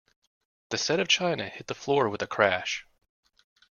The set of china hit the floor with a crash.